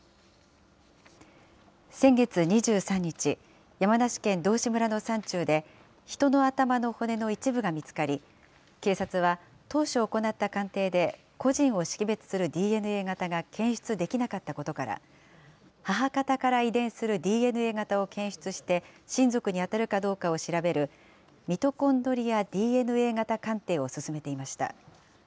先月２３日、山梨県道志村の山中で、人の頭の骨の一部が見つかり、警察は当初行った鑑定で個人を識別するＤＮＡ型が検出できなかったことから、母方から遺伝するＤＮＡ型を検出して、親族に当たるかどうかを調べる、ミトコンドリアＤＮＡ型鑑定を進めていました。